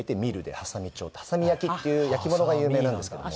波佐見焼っていう焼き物が有名なんですけども。